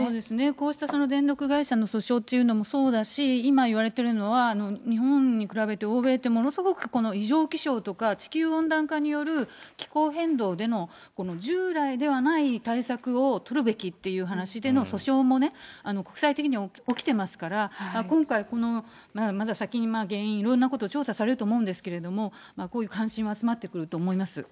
こうした電力会社の訴訟というのもそうだし、今いわれてるのは、日本に比べて欧米ってものすごく異常気象とか地球温暖化による気候変動での従来ではない対策を取るべきという話での訴訟もね、国際的に起きていますから、今回、このまだ先に原因、いろんなこと調査されると思うんですけれども、こういう関心は集まってくると思います。